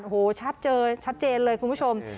โอ้โฮชัดเจนเลยคุณผู้ชม